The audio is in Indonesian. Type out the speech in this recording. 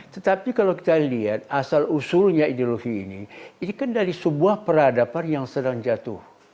tetapi kalau kita lihat asal usulnya ideologi ini ini kan dari sebuah peradaban yang sedang jatuh